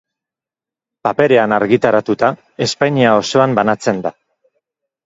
Paperean argitaratuta, Espainia osoan banatzen da.